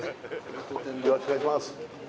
よろしくお願いします